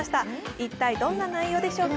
一体どんな内容でしょうか。